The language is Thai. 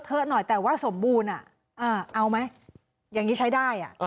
มันก็เลอะเทอะหน่อยแต่ว่าสมบูรณ์เอาไหมอย่างนี้ใช้ได้